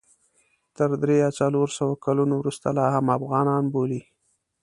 تر درې یا څلور سوه کلونو وروسته لا هم افغانان بولي.